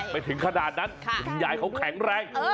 ไปถึงขนาดนั้นขึ้นใหญ่เขาแข็งแรง